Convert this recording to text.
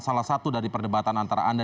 salah satu dari perdebatan antara anda